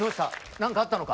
何かあったのか？